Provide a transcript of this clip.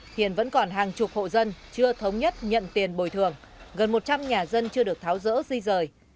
hiện vẫn còn hàng chục hộ dân chưa thống nhất nhận tiền bồi thường gần một trăm linh nhà dân chưa được tháo rỡ di rời